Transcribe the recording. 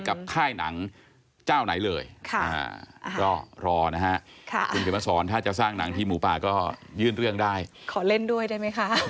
ขอบคุณครับ